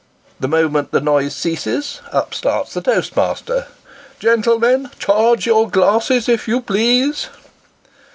The moment the noise ceases, up starts the toastmaster :" Gentle men, charge your glasses, if you please